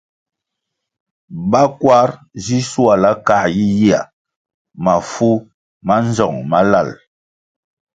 Ba kwar zi shuala kā yiyihya mafu manzong malal.